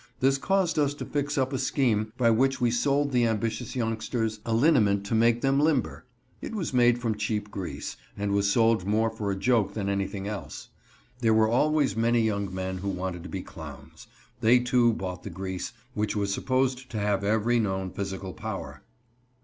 This caused us to fix up a scheme by which we sold the ambitious youngsters a liniment to make them limber. It was made from cheap grease, and was sold more for a joke than anything else. There were always many young men who wanted to be clowns. They, too, bought the grease, which was supposed to have every known physical power.